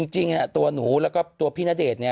จริงตัวหนูแล้วก็ตัวพี่ณเดชน์